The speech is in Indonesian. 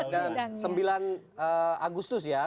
dan sembilan agustus ya